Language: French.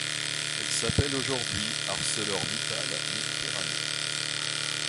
Elle s'appelle aujourd'hui ArcelorMittal Méditerranée.